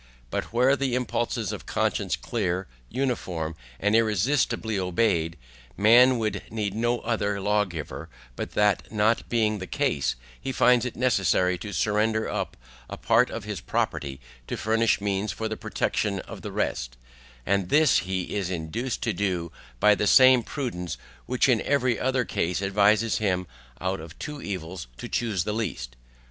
For were the impulses of conscience clear, uniform, and irresistibly obeyed, man would need no other lawgiver; but that not being the case, he finds it necessary to surrender up a part of his property to furnish means for the protection of the rest; and this he is induced to do by the same prudence which in every other case advises him out of two evils to choose the least.